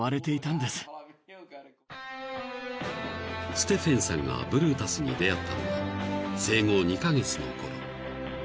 ［ステフェンさんがブルータスに出会ったのは生後２カ月のころ］